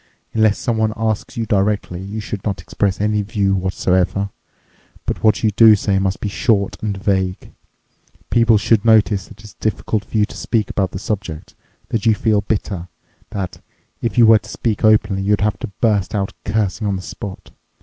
Unless someone asks you directly, you should not express any view whatsoever. But what you do say must be short and vague. People should notice that it's difficult for you to speak about the subject, that you feel bitter, that, if you were to speak openly, you'd have to burst out cursing on the spot.